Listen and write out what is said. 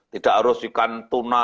tidak harus ikan tuna